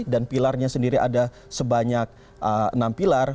dan pilarnya sendiri ada sebanyak enam pilar